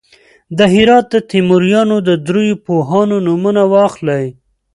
د هرات د تیموریانو د دریو پوهانو نومونه واخلئ.